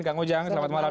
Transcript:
kang ujang selamat malam